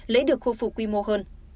lễ được khôi phục quy mô hơn